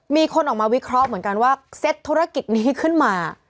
มีคนออกมาวิเคราะห์เหมือนกันว่าเซ็ตธุรกิจนี้ขึ้นมา